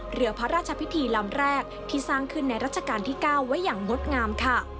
เหลือพระราชพิธีลำแรกที่สร้างขึ้นในรัชกาลที่๙ไว้อย่างงดงามค่ะ